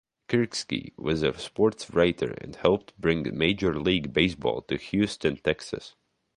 Kirksey was a sports writer and helped bring major league baseball to Houston, Texas.